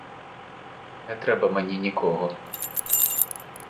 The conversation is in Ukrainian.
Не треба мені нікого.